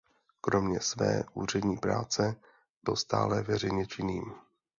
Kromě své úřední práce byl stále veřejně činným.